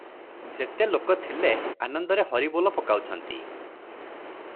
ଯେତେ ଲୋକ ଥିଲେ, ଆନନ୍ଦରେ ହରିବୋଲ ପକାଉଛନ୍ତି ।